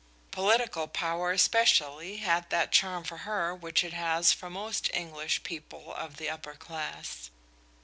Political power especially had that charm for her which it has for most English people of the upper class.